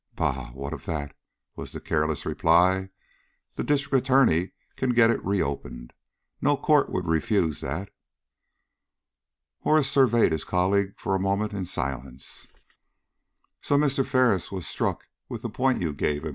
"Bah! what of that?" was the careless reply. "The District Attorney can get it reopened. No Court would refuse that." Horace surveyed his colleague for a moment in silence. "So Mr. Ferris was struck with the point you gave him?"